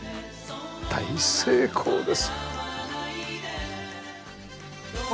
大成功です。